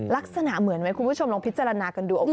ลักษณะเหมือนไหมคุณผู้ชมลองพิจารณากันดูโอเค